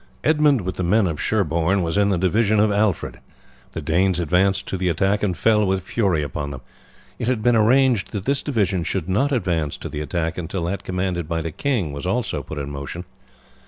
Edmund with the men of Sherborne was in the division of Alfred. The Danes advanced to the attack and fell with fury upon them. It had been arranged that this division should not advance to the attack until that commanded by the king was also put in motion.